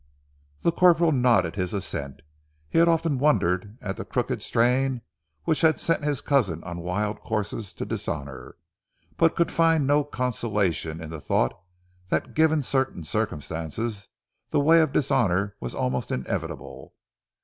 The corporal nodded his assent. He had often wondered at the crooked strain which had sent his cousin on wild courses to dishonour, but could find no consolation in the thought that given certain circumstances the way of dishonour was almost inevitable.